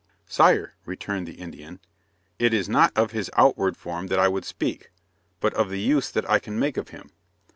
"Sire," returned the Indian, "it is not of his outward form that I would speak, but of the use that I can make of him.